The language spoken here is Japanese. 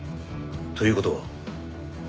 という事は？